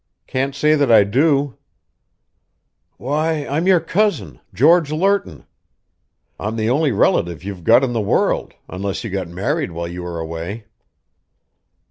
"Can't say that I do!" "Why, I'm your cousin, George Lerton. I'm the only relative you've got in the world, unless you got married while you were away."